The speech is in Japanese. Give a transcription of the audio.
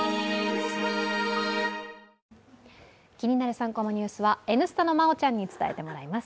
３コマニュース」は「Ｎスタ」のまおちゃんに伝えてもらいます。